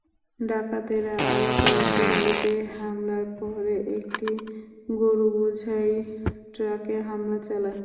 ডাকাতেরা আরও কয়েকটি গাড়িতে হামলার পরে একটি গরুবোঝাই ট্রাকে হামলা চালায়।